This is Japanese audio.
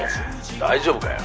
大丈夫かよ。